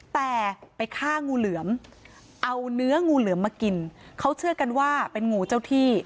แต่ไปฆ่างูเหลือมเอาเนื้องูเหลือมมากินเขาเชื่อกันว่าเป็นงูเจ้าที่